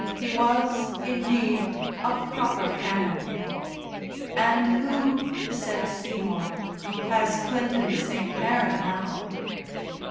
He was, indeed, a proper Canon. "And who," said Seymour, "has Clinton St. Mary now?"